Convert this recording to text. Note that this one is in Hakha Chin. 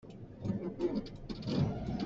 Ram lak i na kal ahcun meilah naa ken awk a si.